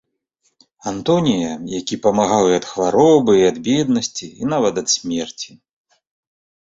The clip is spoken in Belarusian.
Антонія, які памагаў і ад хваробы, і ад беднасці, і нават ад смерці.